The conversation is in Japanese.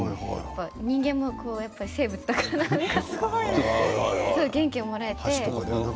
人間も生物だから元気をもらえて。